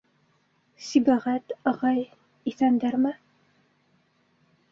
Сибәғәт... ағай.... иҫәндәрме?